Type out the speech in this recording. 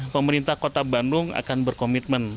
pemerintah kota bandung akan berkomitmen